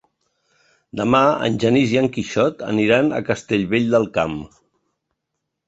Demà en Genís i en Quixot aniran a Castellvell del Camp.